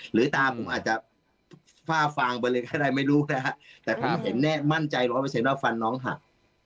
หรือตาผมอาจจะฝ้าฟางไปเลยแค่ไหนไม่รู้นะครับแต่ผมเห็นแน่มั่นใจร้อยไปเสียว่าฟันน้องหัก